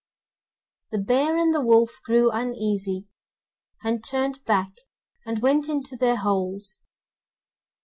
The bear and the wolf grew uneasy, and turned back and went into their holes.